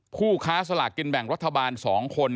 ผู้ค้าสลากกินแบ่งรัฐบาล๒คน